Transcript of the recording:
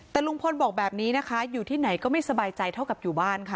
แต่ลุงพลบอกแบบนี้นะคะอยู่ที่ไหนก็ไม่สบายใจเท่ากับอยู่บ้านค่ะ